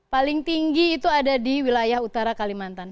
paling tinggi itu ada di wilayah utara kalimantan